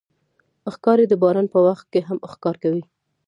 ښکاري د باران په وخت کې هم ښکار کوي.